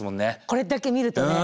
これだけ見るとね。